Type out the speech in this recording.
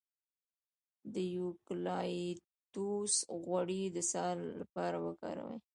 د یوکالیپټوس غوړي د ساه لپاره وکاروئ